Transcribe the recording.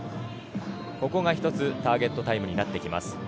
ここが１つ、ターゲットタイムになってきます。